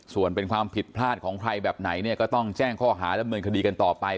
ส่วนเป็นความผิดพลาดของใครแบบไหนเนี่ยก็ต้องแจ้งข้อหาดำเนินคดีกันต่อไป